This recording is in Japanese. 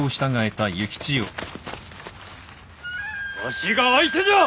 わしが相手じゃ！